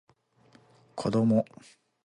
子供